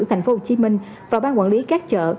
thành phố hồ chí minh và ban quản lý các chợ